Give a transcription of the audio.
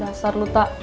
dasar lu tak